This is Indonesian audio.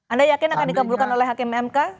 anda yakin akan dikabulkan oleh hkmmk